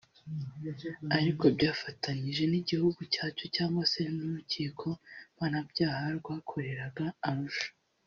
ariko byafatanyije n’igihugu cyacu cyangwa se n’Urukiko Mpanabyaha rwakoreraga Arusha